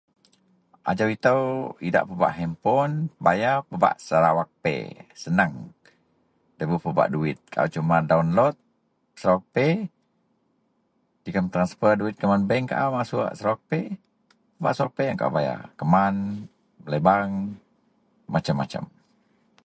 . Ajau itou idak pebak henpon, bayar pebak Sarawak Pay, seneng, nda ibuh pebak duwit. Kaau suma download Sarawak Pay jegem transfer duwit kuman bank kaau masuok Sarawak Pay. Pebak Sarawak Pay kaau bayar keman, melei bareng, macem-macem.